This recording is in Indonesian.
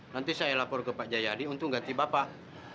nanti saya lapor ke pak jayadi untuk ganti bapak